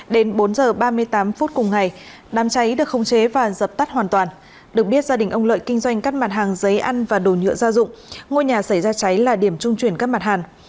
đến bốn h ba mươi tám phút cùng ngày đám cháy được không chế và dập tắt hoàn toàn được biết gia đình ông lợi kinh doanh các mặt hàng giấy ăn và đồ nhựa gia dụng ngôi nhà xảy ra cháy là điểm trung chuyển các mặt hàng